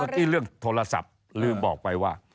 เมื่อกี้เรื่องโทรศัพท์ลืมบอกไปว่า